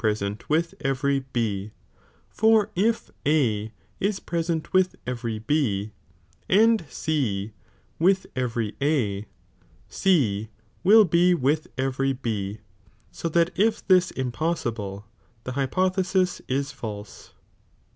„ present with every B, for if A is present with aeg. is demnn every B, and C with every A, C will be with S'a s^'imi' " every B, so that if this impossible, the hypothesis trary lo (be is false.